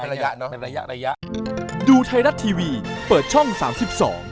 เป็นระยะเนอะเป็นระยะ